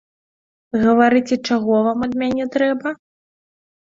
Гаварыце, чаго вам ад мяне трэба?